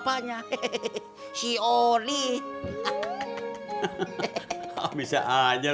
pengen liat aja